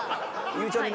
ゆうちゃみ